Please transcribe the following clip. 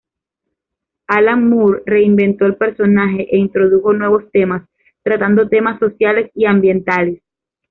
Alan Moore reinventó el personaje e introdujo nuevos temas, tratando temas sociales y ambientales.